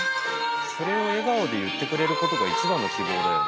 それを笑顔で言ってくれることが一番の希望だよ。